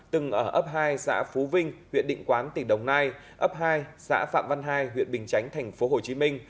từng ở ấp hai xã phú vinh huyện định quán tỉnh đồng nai ấp hai xã phạm văn hai huyện bình chánh tp hcm